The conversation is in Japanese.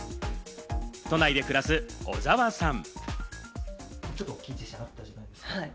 都内で暮らす小澤さん。